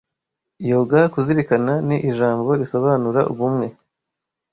Yoga (kuzirikana) ni ijambo risobanura Ubumwe